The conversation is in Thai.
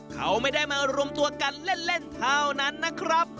เขาไม่ได้มารวมตัวกันเล่นเท่านั้นนะครับ